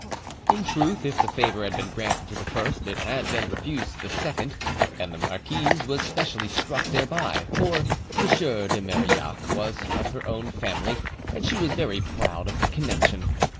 In truth, if the favour had been granted to the first, it had been refused to the second, and the marquise was specially struck thereby, for M. de Marillac was of her own family, and she was very proud of the connection.